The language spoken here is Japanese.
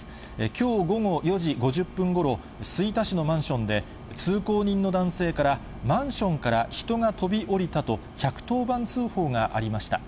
きょう午後４時５０分ごろ、吹田市のマンションで、通行人の男性から、マンションから人が飛び降りたと１１０番通報がありました。